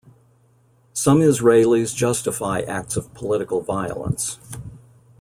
Some Israelis justify acts of political violence.